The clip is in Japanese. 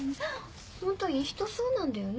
ホントいい人そうなんだよね